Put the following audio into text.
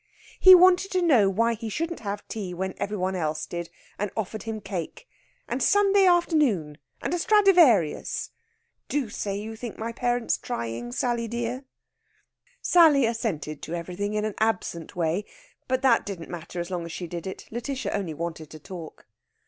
He wanted to know why he shouldn't have tea when every one else did, and offered him cake! And Sunday afternoon and a Stradivarius! Do say you think my parents trying, Sally dear!" Sally assented to everything in an absent way; but that didn't matter as long as she did it. Lætitia only wanted to talk.